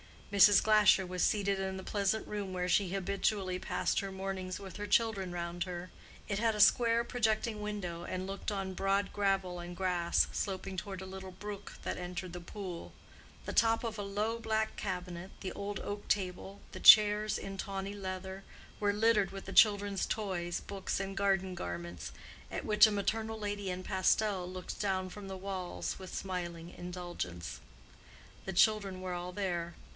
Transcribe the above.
Mrs. Glasher was seated in the pleasant room where she habitually passed her mornings with her children round her. It had a square projecting window and looked on broad gravel and grass, sloping toward a little brook that entered the pool. The top of a low, black cabinet, the old oak table, the chairs in tawny leather, were littered with the children's toys, books and garden garments, at which a maternal lady in pastel looked down from the walls with smiling indulgence. The children were all there.